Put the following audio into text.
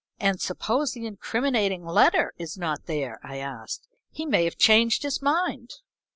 "And suppose the incriminating letter is not there?" I asked. "He may have changed his mind."